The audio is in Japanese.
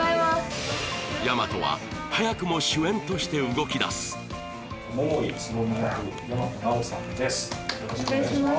大和は早くも主演として動きだすお願いします